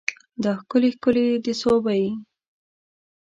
دا ښکلي ښکلي د صوابی